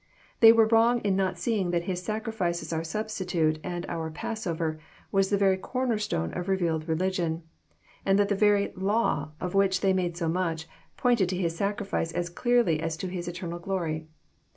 They were wrong in not seeing that His sacrifice as our Substitute and our Passover was the very corner stone of revealed religion, and that the very law" of which they made so much, pointed to His sacrifice as clearly as to His eternal glory.